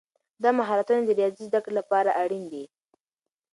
دا مهارتونه د ریاضي زده کړې لپاره اړین دي.